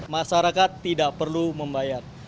masyarakat tidak perlu membayar